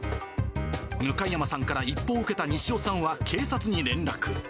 向山さんから一報を受けた西尾さんは警察に連絡。